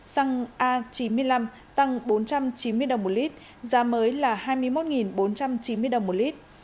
xăng a chín mươi năm tăng bốn trăm chín mươi đồng một lít giá mới là hai mươi một bốn trăm chín mươi đồng một lít